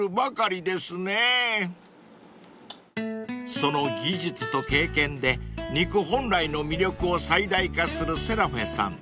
［その技術と経験で肉本来の魅力を最大化するセラフェさん］